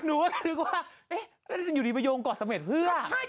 หนูก็ก็นึกว่าจะอยู่ดีประโยคกอดเสม็ดซึ้ง